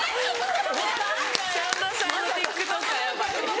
さんまさんのＴｉｋＴｏｋｅｒヤバい。